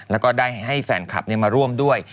แล้วก็ได้ให้แฟนคลับมาร่วมด้วย